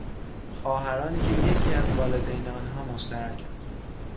خواهرانی که یکی از والدین آنها مشترک است